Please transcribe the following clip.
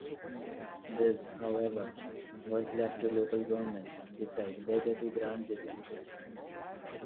This however was left to local governments to decide whether to grant this request.